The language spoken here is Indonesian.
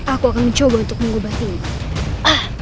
aku akan mencoba untuk mengubah timur